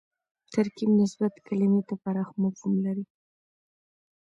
ترکیب نسبت کلیمې ته پراخ مفهوم لري